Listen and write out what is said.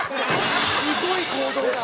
すごい行動だ。